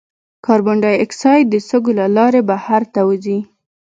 کاربن ډای اکساید د سږو له لارې بهر ته وځي.